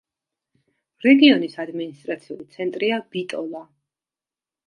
რეგიონის ადმინისტრაციული ცენტრია ბიტოლა.